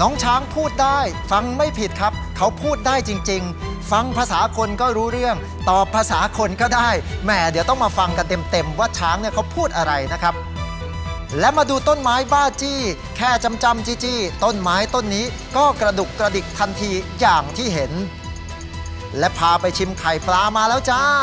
น้องช้างพูดได้ฟังไม่ผิดครับเขาพูดได้จริงฟังภาษาคนก็รู้เรื่องตอบภาษาคนก็ได้แหม่เดี๋ยวต้องมาฟังกันเต็มว่าช้างเนี่ยเขาพูดอะไรนะครับและมาดูต้นไม้บ้าจี้แค่จำจีจี้ต้นไม้ต้นนี้ก็กระดุกกระดิกทันทีอย่างที่เห็นและพาไปชิมไข่ปลามาแล้วจ้า